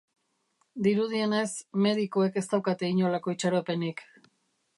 Dirudienez, medikuek ez daukate inolako itxaropenik.